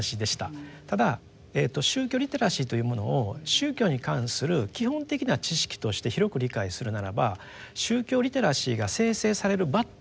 ただ宗教リテラシーというものを宗教に関する基本的な知識として広く理解するならば宗教リテラシーが生成される場っていうのはですね